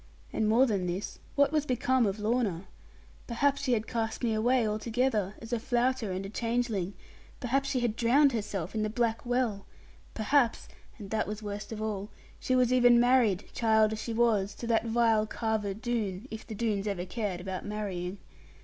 And more than this, what was become of Lorna? Perhaps she had cast me away altogether, as a flouter and a changeling; perhaps she had drowned herself in the black well; perhaps (and that was worst of all) she was even married, child as she was, to that vile Carver Doone, if the Doones ever cared about marrying!